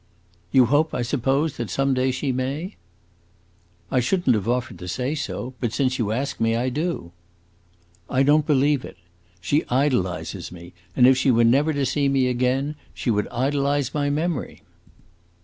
"You hope, I suppose, that some day she may?" "I should n't have offered to say so; but since you ask me, I do." "I don't believe it. She idolizes me, and if she never were to see me again she would idolize my memory."